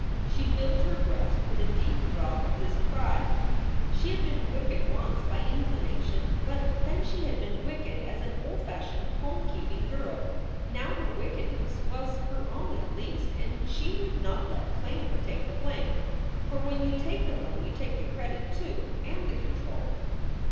She filled her breast with a deep draught of this pride. She had been wicked once by inclination, but then she had been wicked as an old fashioned home keeping girl. Now her wickedness was her own, at least, and she would not let Claymore take the blame; for when you take the blame you take the credit, too, and the control.